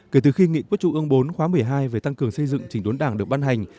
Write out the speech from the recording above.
kể từ khi nghị quốc trụ ương bốn khóa một mươi hai về tăng cường xây dựng trình tuấn đảng được ban hành